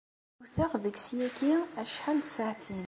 Wteɣ deg-s yagi acḥal n tsaɛtin.